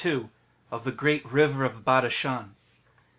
Of the Great River of Badashan.